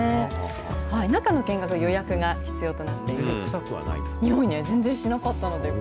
中の見学、予約が必要となっています。